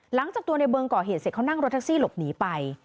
หลังจากตัวในเบิงก่อเหตุเสร็จเขานั่งรถแท็กซี่หลบหนีไป